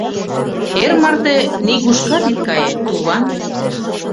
Эр марте нигушкат ит кае, туван!..